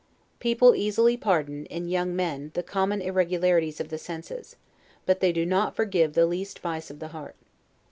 People easily pardon, in young men, the common irregularities of the senses: but they do not forgive the least vice of the heart.